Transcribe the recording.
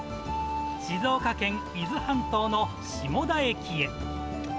静岡県伊豆半島の下田駅へ。